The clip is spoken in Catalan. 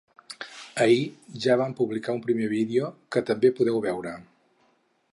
Ahir ja vam publicar un primer vídeo, que també podeu veure.